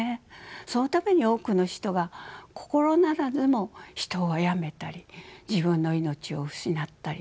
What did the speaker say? そのために多くの人が心ならずも人をあやめたり自分の命を失ったりするんです。